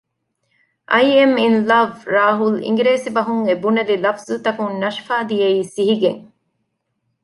އައި އެމް އިން ލަވް ރާހުލް އިނގިރޭސި ބަހުން އެ ބުނެލި ލަފްޒުތަކުން ނަޝްފާ ދިއައީ ސިހިގެން